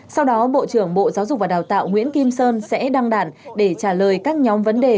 sau đó bộ trưởng bộ giáo dục và đào tạo nguyễn kim sơn sẽ đăng đàn để trả lời các nhóm vấn đề